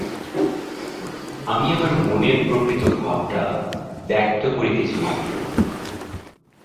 আমি আমার মনের প্রকৃত ভাবটা ব্যক্ত করিতেছি মাত্র।